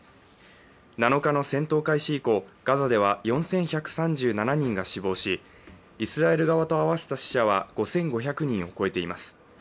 ７日の戦闘開始以降、ガザでは４１３７人が死亡しイスラエル側と合わせた死者は５５００人を超えています。